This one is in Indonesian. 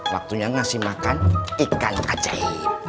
waktunya ngasih makan ikan ajai